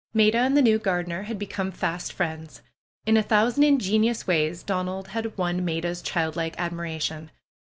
Maida and the new gardener had become fast friends. In a thousand ingenious ways Donald had won Maida's child like admiration.